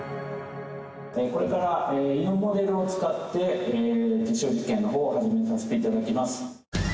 これから胃のモデルを使って、実証実験のほうを始めさせていただきます。